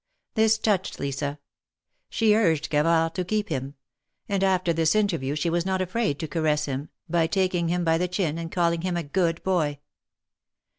This touched Lisa. She urged Gavard to keep him ; and after this interview she was not afraid to caress him, by taking him by the chin and calling him a good boy.